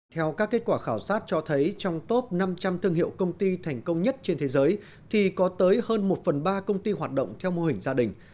theo các kết quả khảo sát cho thấy trong top năm trăm linh thương hiệu công ty thành công nhất trên thế giới thì có tới hơn một phần ba công ty hoạt động theo mô hình gia đình